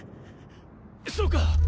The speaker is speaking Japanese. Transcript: そうか！